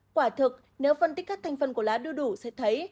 quả thực nếu phân tích các thành phần của lá đưa đủ sẽ thấy